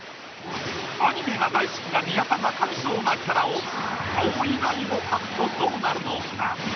アニメが大好きな宮田が描きそうなキャラを顔以外も描くとどうなるのか？